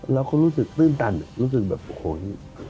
เราคงรู้สึกตื้นตันรู้สึกแบบโอ้โห